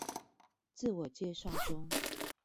自我介紹中